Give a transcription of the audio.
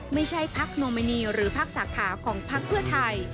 ไม่ใช่ภาคโมเมนีหรือภาคศาสตราของภาคเพื่อไทย